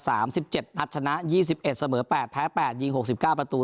สิบเจ็ดนัดชนะยี่สิบเอ็ดเสมอแปดแพ้แปดยิงหกสิบเก้าประตู